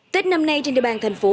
tết năm nay trên địa bàn thành phố